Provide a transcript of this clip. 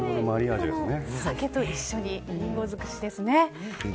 酒と一緒にリンゴ尽くしですね。